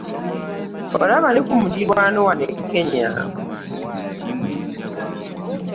Olaba ne ku muliraano wano e Kenya